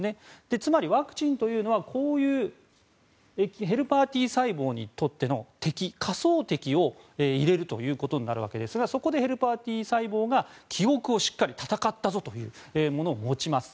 つまり、ワクチンというのはこういうヘルパーＴ細胞にとっての仮想敵を入れるということになるわけですがそこでヘルパーＴ細胞が記憶を、しっかり戦ったぞというものを持ちます。